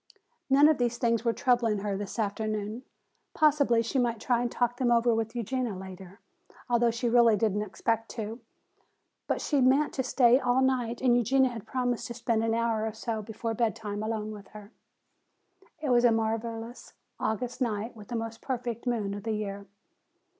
None of these things were troubling her this afternoon. Possibly she might try and talk them over with Eugenia later, although she really did not expect to. But she meant to stay all night and Eugenia had promised to spend an hour or so before bedtime alone with her. It was a marvelous August night with the most perfect moon of the year.